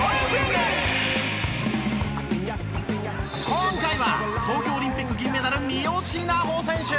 今回は東京オリンピック銀メダル三好南穂選手。